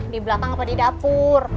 di belakang atau di dapur